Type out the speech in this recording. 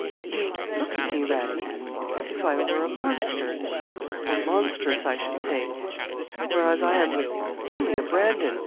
'You look at me, Radie, as if I were a monster or monstress, I should say whereas I am only a Brandon.